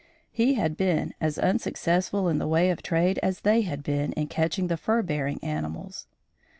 He had been as unsuccessful in the way of trade as they had been in catching the fur bearing animals.